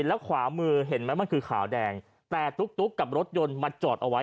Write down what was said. แล้วขวามือเห็นไหมมันคือขาวแดงแต่ตุ๊กกับรถยนต์มาจอดเอาไว้